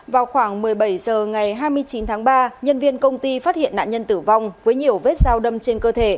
vào khoảng một mươi bảy h ngày hai mươi chín tháng ba nhân viên công ty phát hiện nạn nhân tử vong với nhiều vết dao đâm trên cơ thể